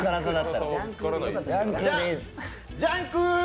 ジャンク！